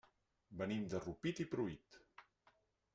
Venim de Rupit i Pruit.